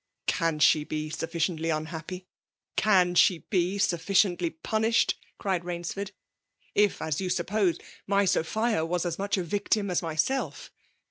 *' C€m she be sufficiently uflhappy ?— can Am be sufficiently punished? '* cried Bainsibrd ; '<if, as you suppose, my S<^hia was as mush a victim as myself?